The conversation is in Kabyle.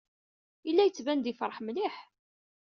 Yella yettban-d yefṛeḥ mliḥ.